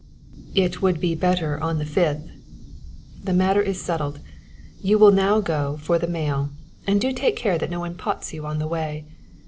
"It would be better on the fifth " "The matter is settled. You will now go for the mail; and do take care that no one pots you on the way.